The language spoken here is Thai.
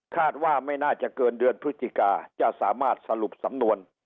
คาดว่าไม่น่าจะเกินเดือนพฤศจิกาจะสามารถสรุปสำนวน